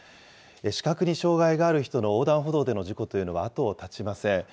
視覚に障害がある人の横断歩道での事故というのは後を絶ちません。